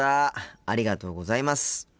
ありがとうございます。